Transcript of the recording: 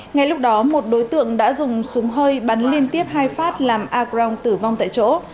ngay lúc đó một đối tượng đã dùng súng hơi bắn liên tiếp hai phát làm a crong tử vong tại chỗ